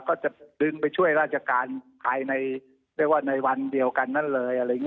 ก็จะดึงไปช่วยราชการภายในวันเดียวกันนั้นเลย